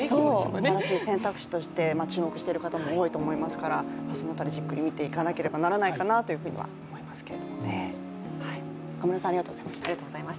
新しい選択肢として注目している方も多いと思いますからその辺りじっくり見ていかないといけないかなと思いますけどね。